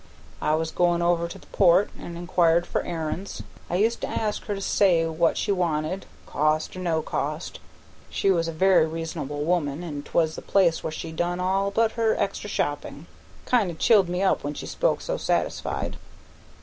I was goin' over to the Port, an' inquired for errands. I used to ask her to say what she wanted, cost or no cost she was a very reasonable woman, an' 'twas the place where she done all but her extra shopping. It kind o' chilled me up when she spoke so satisfied."